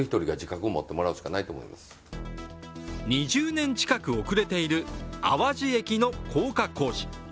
２０年近く遅れている淡路駅の高架工事。